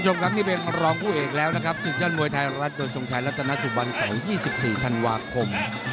นี่เป็นรองผู้เอกแล้วนะครับสิทธิ์ยอดมวยไทยรัฐโดยสงชายรัตนาสุบันเสาร์๒๔ธันวาคม